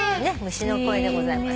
虫の声でございます。